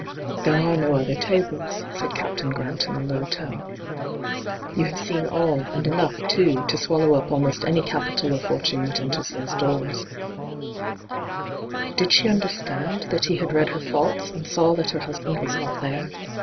' There are no other tables,' said Captain Grant, in a low tone. ' You have seen all, and enough, too, to swallow up almost any capital or fortune that enters those doors t' Did she understand that he had read her thoughts, and saw that her husband was not there